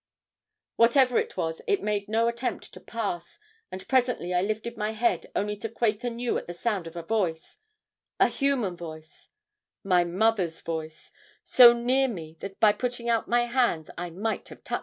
"Whatever it was, it made no attempt to pass, and presently I lifted my head only to quake anew at the sound of a voice a human voice my mother's voice so near me that by putting out my arms I might have touched her.